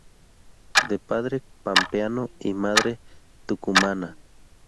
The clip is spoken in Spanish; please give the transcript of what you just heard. De padre pampeano y madre tucumana.